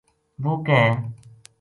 وہ ک